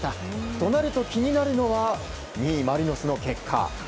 となると、気になるのは２位マリノスの結果。